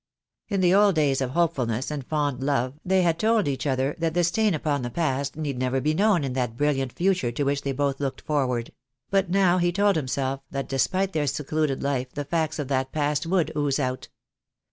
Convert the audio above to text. In the old days of hopefulness and fond love they had told each other that the stain upon the past need never be known in that brilliant future to which they both looked forward; but now he told himself that despite their secluded life the facts of that past would ooze out.